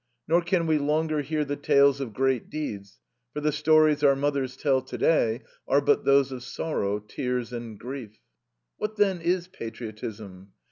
Nor can we longer hear the tales of great deeds, for the stories our mothers tell today are but those of sorrow, tears, and grief. What, then, is patriotism?